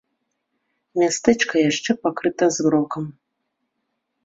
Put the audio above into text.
Мястэчка яшчэ пакрыта змрокам.